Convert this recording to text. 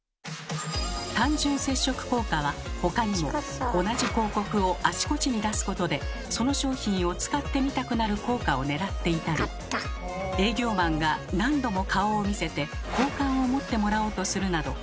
単純接触効果は他にも同じ広告をあちこちに出すことでその商品を使ってみたくなる効果をねらっていたり営業マンが何度も顔を見せて好感を持ってもらおうとするなど